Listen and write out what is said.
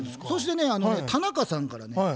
そしてね田中さんからね